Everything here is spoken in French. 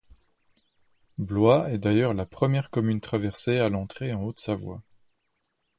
Bloye est d'ailleurs la première commune traversée à l'entrée en Haute-Savoie.